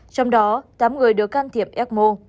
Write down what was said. trong đó tám người đứa can thiệp f